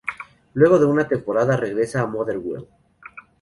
Luego de una temporada, regresa al Motherwell.